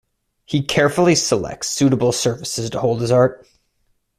He carefully selects suitable surfaces to hold his art.